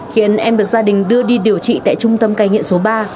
hiện em được gia đình đưa đi điều trị tại trung tâm cây nghiện số ba